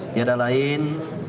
tidak ada lain